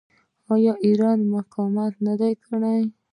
آیا ایران مقاومت نه دی کړی؟